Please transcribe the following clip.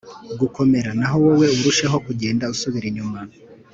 Gukomera naho wowe urusheho kugenda usubira inyuma